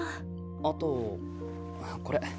あとこれ。